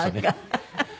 ハハハハ。